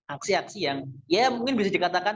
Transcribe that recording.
aksi aksi yang ya mungkin bisa dikatakan